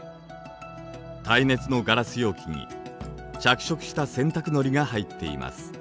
耐熱のガラス容器に着色した洗濯のりが入っています。